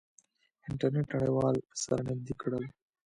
انټرنیټ نړیوال سره نزدې کړل.